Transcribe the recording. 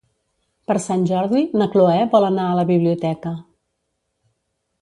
Per Sant Jordi na Cloè vol anar a la biblioteca.